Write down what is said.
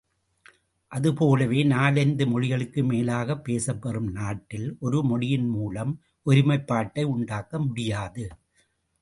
அதுபோலவே நாலைந்து மொழிகளுக்கு மேலாகப் பேசப்பெறும் நாட்டில் ஒரு மொழியின் மூலம் ஒருமைப்பாட்டை உண்டாக்க முடியாது.